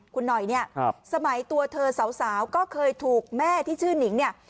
คุณหน่อยเนี่ยสมัยตัวเธอสาวก็เคยถูกแม่ที่ชื่อนิงเนี่ย